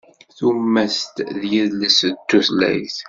Tumast d yidles d tutlayt.